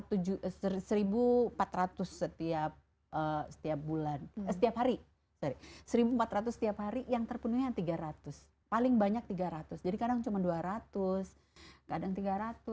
ketua dolar satu juta dolar satu empat ratus setiap setiap bulan setiap hari satu empat ratus setiap hari yang terpenuhnya tiga ratus paling banyak tiga ratus jadi kadang cuma dua ratus kadang tiga ratus